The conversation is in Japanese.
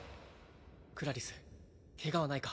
クラリスケガはないか？